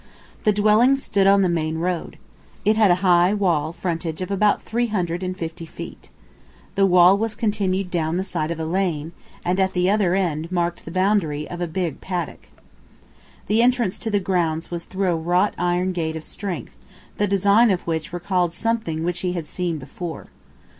The dwelling stood on the main road. It had a high wall frontage of about three hundred and fifty feet. The wall was continued down the side of a lane, and at the other end marked the boundary of a big paddock. The entrance to the grounds was through a wrought iron gate of strength, the design of which recalled something which he had seen before.